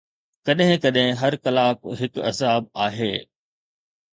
ڪڏهن ڪڏهن هر ڪلاڪ هڪ عذاب آهي